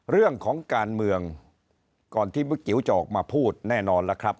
เรื่องของการเมืองก่อนที่บุ๊กจิ๋วจะออกมาพูดแน่นอนแล้วครับ